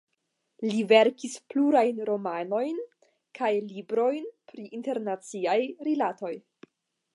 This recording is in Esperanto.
Li verkis plurajn romanojn kaj librojn pri internaciaj rilatoj.